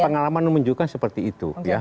pengalaman menunjukkan seperti itu